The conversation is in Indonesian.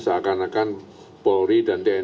seakan akan polri dan tni